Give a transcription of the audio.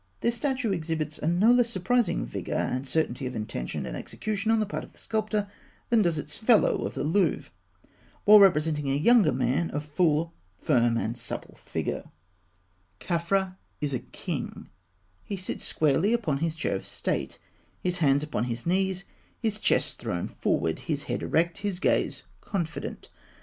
This statue exhibits a no less surprising vigour and certainty of intention and execution on the part of the sculptor than does its fellow of the Louvre, while representing a younger man of full, firm, and supple figure. [Illustration: Fig. 186. The Cross legged Scribe of Gizeh, from Sakkarah.] Khafra is a king (fig. 187). He sits squarely upon his chair of state, his hands upon his knees, his chest thrown forward, his head erect, his gaze confident.